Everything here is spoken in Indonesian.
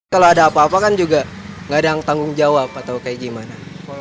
kalau ada apa apa kan juga nggak ada yang tanggung jawab atau kayak gimana